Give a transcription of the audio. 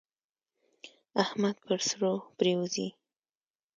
احمد پر سرو پرېوزي.